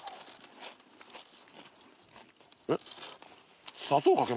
えっ？